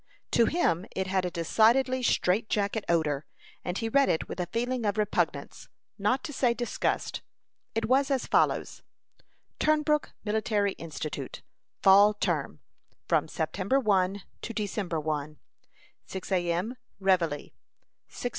To him it had a decidedly strait jacket odor, and he read it with a feeling of repugnance, not to say disgust. It was as follows: "TUNBROOK MILITARY INSTITUTE. FALL TERM. From Sept. 1 to Dec. 1. 6 A. M. Reveille.